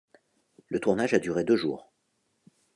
Le tournage a duré deux jours.